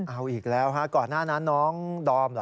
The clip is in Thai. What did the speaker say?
เอาอีกแล้วฮะก่อนหน้านั้นน้องดอมเหรอ